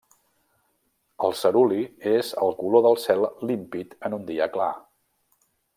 El ceruli és el color del cel límpid en un dia clar.